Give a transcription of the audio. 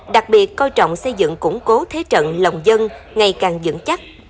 đặc biệt coi trọng xây dựng củng cố thế trận lòng dân ngày càng dẫn chắc